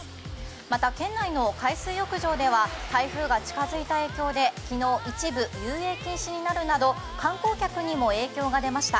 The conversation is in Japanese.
また県内の海水浴場では台風が近づいた影響で昨日一部遊泳禁止になるなど観光客にも影響が出ました。